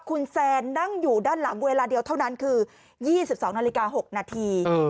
คุณแซนนั่งอยู่ด้านหลังเวลาเดียวเท่านั้นคือ๒๒นาฬิกา๖นาที